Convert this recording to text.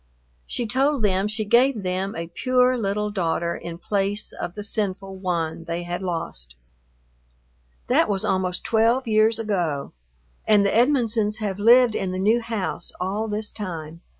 She told them she gave them a pure little daughter in place of the sinful one they had lost. That was almost twelve years ago, and the Edmonsons have lived in the new house all this time.